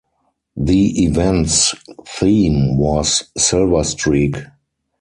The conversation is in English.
The event's theme was "Silver Streak".